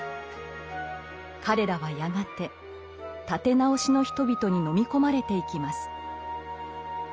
彼らはやがて「立て直し」の人々に飲み込まれていきます。